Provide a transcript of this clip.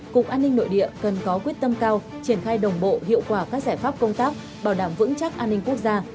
cục an ninh nội địa cần có quyết tâm cao triển khai đồng bộ hiệu quả các giải pháp công tác bảo đảm vững chắc an ninh quốc gia